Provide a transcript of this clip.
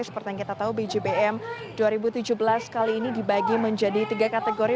seperti yang kita tahu bjbm dua ribu tujuh belas kali ini dibagi menjadi tiga kategori